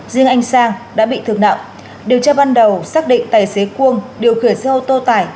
riêng anh sang đã bị thương nặng điều tra ban đầu xác định tài xế cuông điều khiển xe ô tô tải